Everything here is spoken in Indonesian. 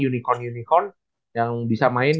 unicorn unicorn yang bisa main